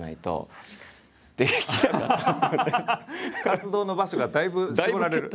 活動の場所がだいぶ絞られる。